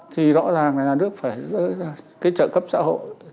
thì rõ ràng là nước phải rơi ra cái trợ cấp xã hội